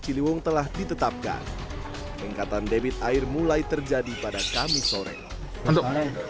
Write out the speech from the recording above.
ciliwung telah ditetapkan peningkatan debit air mulai terjadi pada kamis sore untuk